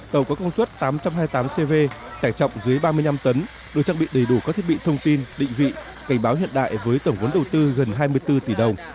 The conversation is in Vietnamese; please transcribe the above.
tàu có công suất tám trăm hai mươi tám cv tải trọng dưới ba mươi năm tấn được trang bị đầy đủ các thiết bị thông tin định vị cảnh báo hiện đại với tổng vốn đầu tư gần hai mươi bốn tỷ đồng